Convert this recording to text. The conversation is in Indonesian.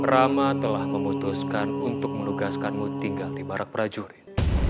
rama telah memutuskan untuk menugaskanmu tinggal di barak prajurit